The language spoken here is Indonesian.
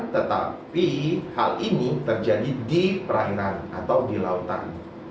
tetapi hal ini terjadi di perairan atau di lautan